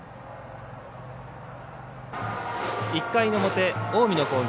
１回の表、近江の攻撃。